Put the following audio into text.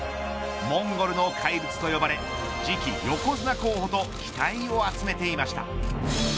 モンゴルの怪物と呼ばれ次期横綱候補と期待を集めていました。